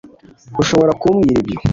ushobora kumbwira ibyo